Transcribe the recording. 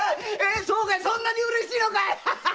そうかいそんなに嬉しいのかい‼